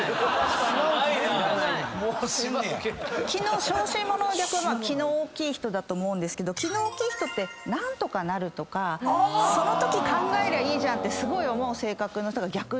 いらない⁉小心者の逆は気の大きい人だと思うんですけど気の大きい人って何とかなるとかそのとき考えりゃいいじゃんって思う性格の人が逆にいて。